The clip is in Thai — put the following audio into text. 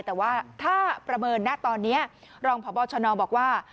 แต่ว่าถ้าประเมินนะตอนนี้รองพบชนบอกว่า